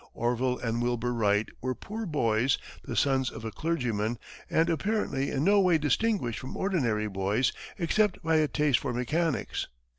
Orville and Wilbur Wright were poor boys, the sons of a clergyman, and apparently in no way distinguished from ordinary boys, except by a taste for mechanics.